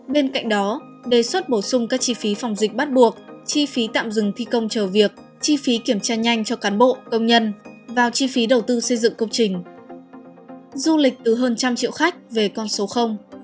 bên cạnh đó đề xuất bổ sung các chi phí phòng dịch bắt buộc chi phí tạm dừng thi công chờ việc chi phí kiểm tra nhanh cho cán bộ công nhân vào chi phí đầu tư xây dựng công trình